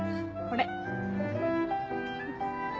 これ。